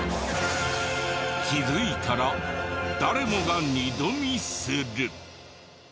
気づいたら誰もが二度見する！